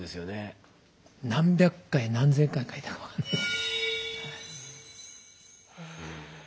何百回何千回書いたか分かんないです。